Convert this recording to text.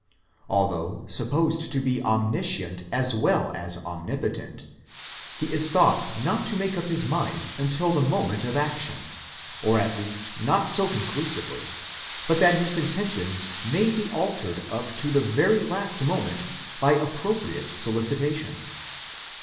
Although supposed to be omniscient as well as omnipotent, he is thought not to make up his mind until the moment of action ; or at least not so con clusively, but that his intentions may be altered up to the very last moment by appropriate solicitation.